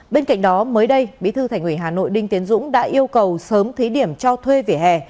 bên cạnh đó mới đây bí thư thành ủy hà nội đinh tiến dũng đã yêu cầu sớm thí điểm cho thuê vỉa hè